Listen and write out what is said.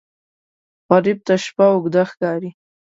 غریب ته شپه اوږده ښکاري